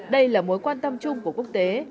đây là mối quan tâm chung của quốc tế